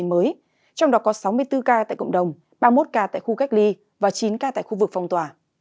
trong đó có sáu mươi bốn ca tại cộng đồng ba mươi một ca tại khu cách ly và chín ca tại khu vực phong tỏa